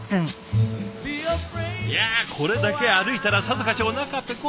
いやこれだけ歩いたらさぞかしおなかペコペコでしょう！